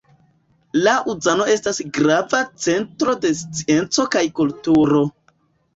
Laŭzano estas grava centro de scienco kaj kulturo.